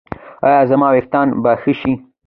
ایا زما ویښتان به ښه شي؟